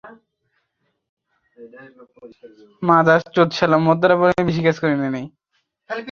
আমি সপ্তাখানেক আগে তাকে দেখেছি।